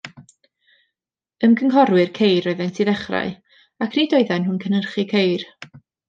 Ymgynghorwyr ceir oeddent i ddechrau, ac nid oedden nhw'n cynhyrchu ceir.